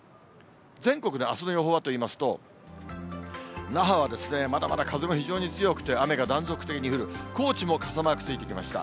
全国のあすの予報はといいますと、那覇はまだまだ風も非常に強くて、雨が断続的に降る、高知も傘マークついてきました。